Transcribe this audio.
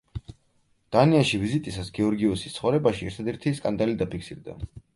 დანიაში ვიზიტისას გეორგიოსის ცხოვრებაში ერთადერთი სკანდალი დაფიქსირდა.